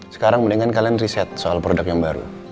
sekarang mendingan kalian riset soal produk yang baru